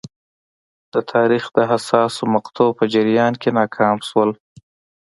د تاریخ د حساسو مقطعو په جریان کې ناکام شول.